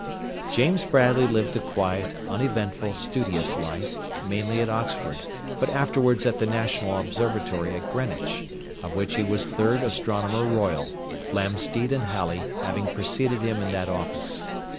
James Bradley lived a quiet, uneventful, studious life, mainly at Oxford but afterwards at the National Observatory at Greenwich, of which he was third Astronomer Royal, Flamsteed and Halley having preceded him in that office.